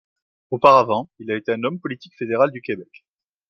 Auparavant, il a été un homme politique fédéral du Québec.